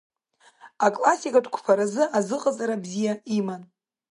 Аклассикатә қәԥаразы азыҟаҵара бзиа иман.